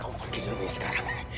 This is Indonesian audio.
kamu pergi dari rumah ini sekarang